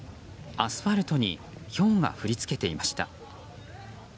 アスファルトにひょうが降りつけていました。